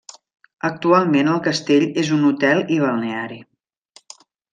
Actualment el castell és un hotel i balneari.